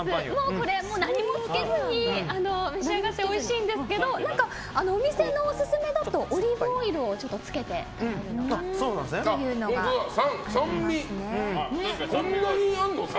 これは何もつけずに召し上がっておいしいんですけどお店のオススメだとオリーブオイルをつけて酸味、こんなにあるの？